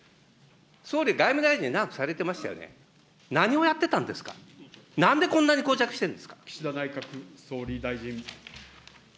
総理、外務大臣、長くされてましたよね、何をやってたんですか、なんでこんなにこう着してるんですか。